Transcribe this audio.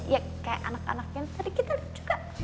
ya kayak anak anak yang tadi kita juga